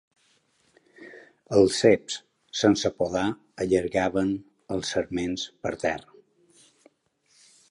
Els ceps sense podar allargaven els sarments per terra